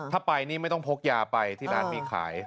ถ้าไปนี่ไม่ต้องพกยาไปที่ร้านมีขาย